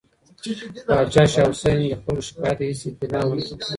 پاچا شاه حسین د خلکو شکایت ته هیڅ اعتنا ونه کړه.